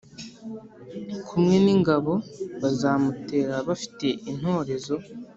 Kumwe n ingabo bazamutera bafite intorezo